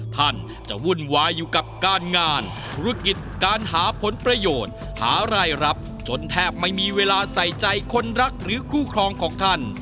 ท่านจะวุ่นวายอยู่กับการงานธุรกิจการหาผลประโยชน์หารายรับจนแทบไม่มีเวลาใส่ใจคนรักหรือคู่ครองของท่าน